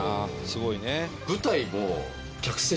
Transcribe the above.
「すごいね」